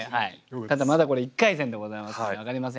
ただまだこれ１回戦でございますので分かりませんよ。